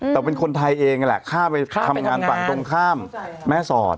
แต่เป็นคนไทยเองนั่นแหละข้ามไปทำงานฝั่งตรงข้ามแม่สอด